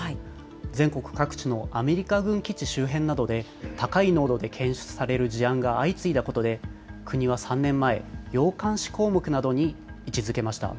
全国各地のアメリカ軍基地周辺などで、高い濃度で検出される事案が相次いだことで、国は３年前、要監視項目などに位置づけました。